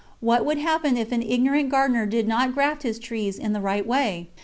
What would happen if an ignorant gardener did not graft his trees in the right way?